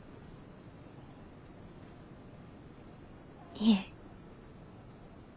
いえ。